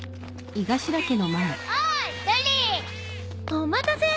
お待たせ。